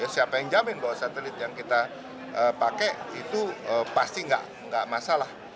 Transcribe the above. siapa yang jamin bahwa satelit yang kita pakai itu pasti nggak masalah